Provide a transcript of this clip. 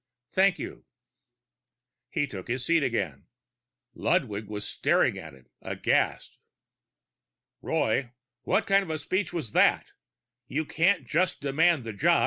Thank you." He took his seat again. Ludwig was staring at him, aghast. "Roy! What kind of a speech was that? You can't just demand the job!